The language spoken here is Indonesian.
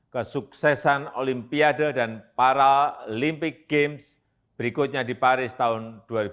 kesuksesan olimpiade dan paralimpik games berikutnya di paris tahun dua ribu dua puluh